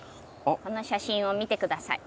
この写真を見て下さい。